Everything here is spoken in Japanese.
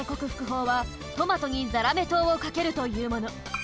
ほうはトマトにザラメ糖をかけるというもの。